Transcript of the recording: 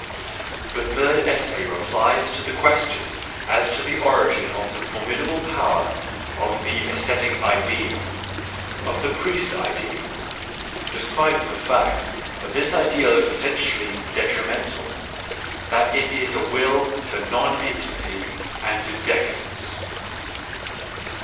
The third essay replies to the question as to the origin of the formidable power of the ascetic ideal, of the priest ideal, despite the fact that this ideal is essentially detrimental, that it is a will to nonentity and to decadence.